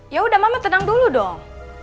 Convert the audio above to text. yaudah mama tenang dulu dong